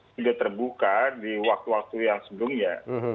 sudah terbuka di waktu waktu yang sebelumnya